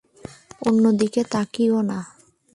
অন্যদিকে তাকিও না।